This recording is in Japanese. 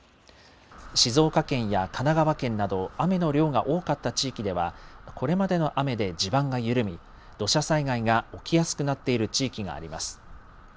静岡県や神奈川県など雨の量が多かった地域ではこれまでの雨で地盤が緩み土砂災害が起きやすくなっている地域があります。